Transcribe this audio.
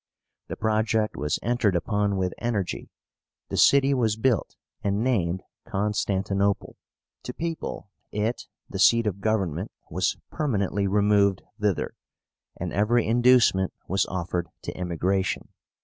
The project was entered upon with energy; the city was built, and named CONSTANTINOPLE. To people it, the seat of government was permanently removed thither, and every inducement was offered to immigration.